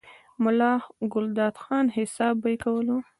ملا ګلداد خان، حساب به ئې کولو،